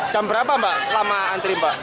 jam berapa mbak lama antri mbak